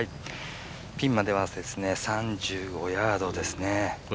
ピンまでは３５ヤードですね。